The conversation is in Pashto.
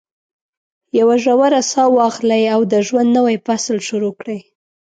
یوه ژوره ساه واخلئ او د ژوند نوی فصل شروع کړئ.